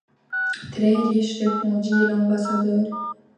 Très riche, répondit l’ambassadeur.